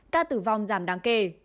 ca tử vong giảm đáng kể